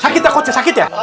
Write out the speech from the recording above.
sakit takut ya sakit ya